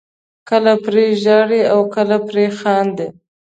کله پرې ژاړئ او کله پرې خاندئ.